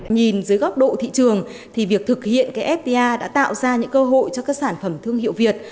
nhìn dưới góc độ thị trường thì việc thực hiện cái fta đã tạo ra những cơ hội cho các sản phẩm thương hiệu việt